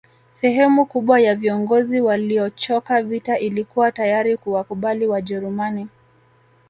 Sehemu kubwa ya viongozi waliochoka vita ilikuwa tayari kuwakubali Wajerumani